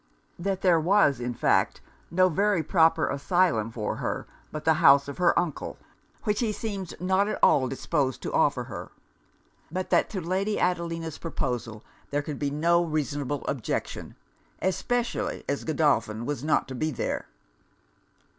That there was, in fact, no very proper asylum for her but the house of her uncle, which he seemed not at all disposed to offer her. But that to Lady Adelina's proposal there could be no reasonable objection, especially as Godolphin was not to be there.